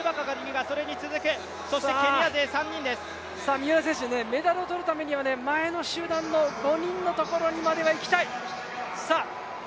三浦選手、メダルを取るためには前の集団の５人のところにまではいきたい。